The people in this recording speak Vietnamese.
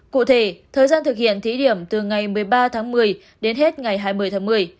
cụ thể thời gian thực hiện thí điểm từ ngày một mươi ba tháng một mươi đến hết ngày hai mươi tháng một mươi